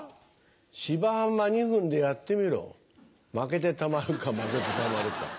『芝浜』２分でやってみろ負けてたまるか負けてたまるか。